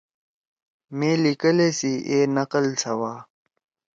مے لیِکلے سی اے نقل سَوا۔